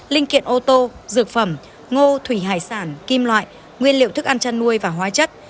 linh kiện ô tô dược phẩm ngô thủy hải sản kim loại nguyên liệu thức ăn chăn nuôi và hóa chất